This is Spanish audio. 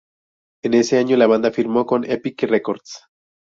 En ese año la banda firmó con Epic Records.